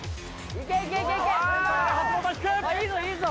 いいぞいいぞ。